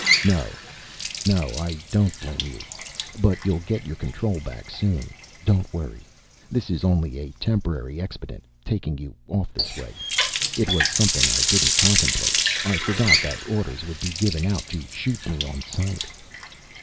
"No. No, I don't blame you. But you'll get your control back, soon. Don't worry. This is only a temporary expedient, taking you off this way. It was something I didn't contemplate. I forgot that orders would be given out to shoot me on sight."